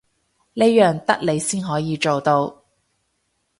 呢樣得你先可以做到